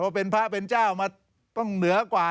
เป็นพระเป็นเจ้ามาต้องเหนือกว่า